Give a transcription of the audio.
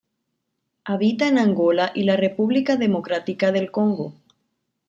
Habita en Angola y la República Democrática del Congo.